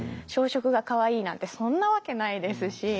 小食がかわいいなんてそんなわけないですし。